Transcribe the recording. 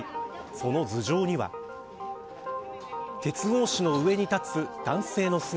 その頭上には鉄格子の上に立つ男性の姿。